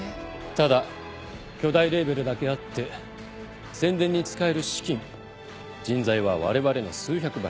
ただ巨大レーベルだけあって宣伝に使える資金人材はわれわれの数百倍。